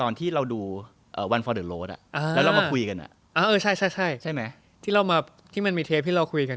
นเรนนิติภาพเมื่อก่อน